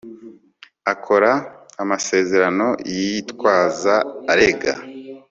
akora amasezerano yitwaza arega